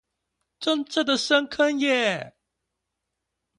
真正的深坑耶